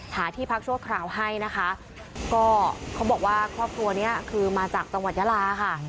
ที่พักชั่วคราวให้นะคะก็เขาบอกว่าครอบครัวนี้คือมาจากจังหวัดยาลาค่ะ